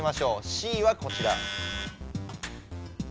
Ｃはこちら。